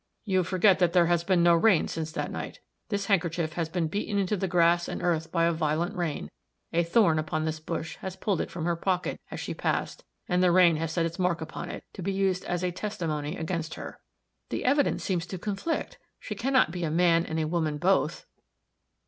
"You forget that there has been no rain since that night. This handkerchief has been beaten into the grass and earth by a violent rain. A thorn upon this bush has pulled it from her pocket as she passed, and the rain has set its mark upon it, to be used as a testimony against her." "The evidence seems to conflict. She can not be a man and woman both."